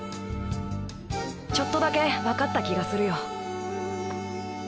ちょっとだけ分かった気がするよ